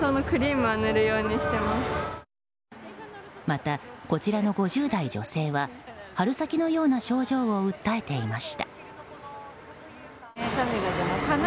また、こちらの５０代女性は春先のような症状を訴えていました。